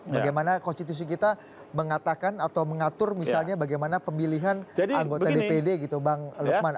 bagaimana konstitusi kita mengatakan atau mengatur misalnya bagaimana pemilihan anggota dpd gitu bang lukman